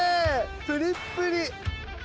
プリップリ。